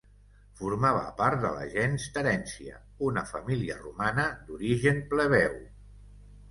Formava part de la gens Terència, una família romana d'origen plebeu.